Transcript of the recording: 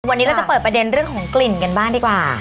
วันนี้เราจะเปิดประเด็นเรื่องของกลิ่นกันบ้างดีกว่า